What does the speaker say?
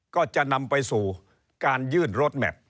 ก็จะนำไปสู่การยื่นรถแมพ